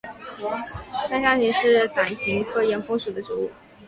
山香芹是伞形科岩风属的植物。